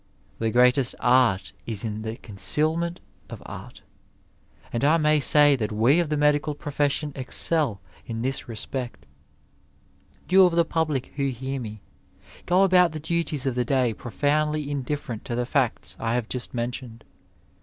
The greatest art is in the concealment of art, and I may say that we of the medical profession excel in this respect. You of the public who hear me, go about the duties of the 124 Digitized by VjOOQIC TEACHING AND THINKINa day profoondly indiffeient to the iacts I have just men tioned.